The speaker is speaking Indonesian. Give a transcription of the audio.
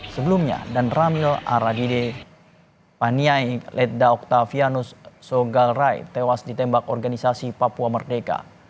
sebelumnya dan ramil aragede paniai ledda octavianus sogalrai tewas ditembak organisasi papua merdeka